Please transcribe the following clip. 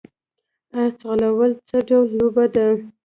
اس ځغلول څه ډول لوبه ده؟